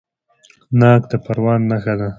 ناک د پروان نښه ده.